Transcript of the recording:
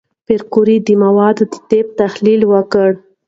پېیر کوري د موادو د طیف تحلیل وکړ.